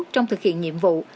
trong thực hiện nhiệm vụ